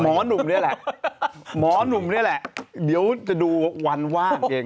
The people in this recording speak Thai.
หนุ่มนี่แหละหมอหนุ่มนี่แหละเดี๋ยวจะดูวันว่างเอง